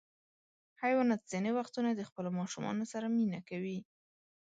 حیوانات ځینې وختونه د خپلو ماشومانو سره مینه کوي.